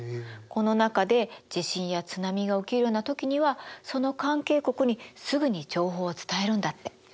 この中で地震や津波が起きるような時にはその関係国にすぐに情報を伝えるんだって。